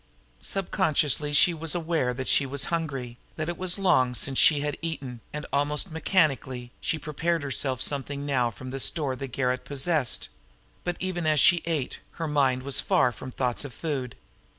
Subconsciously she was aware that she was hungry, that it was long since she had eaten, and, almost mechanically, she prepared herself something now from the store the garret possessed; but, even as she ate, her mind was far from thoughts of food.